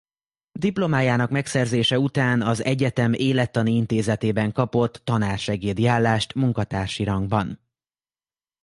Diplomájának megszerzése után az egyetem Élettani Intézetében kapott tanársegédi állást munkatársi rangban.